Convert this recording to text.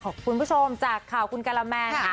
คุณผู้ชมจากข่าวคุณกะละแมนค่ะ